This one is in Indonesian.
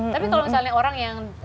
tapi kalau misalnya orang yang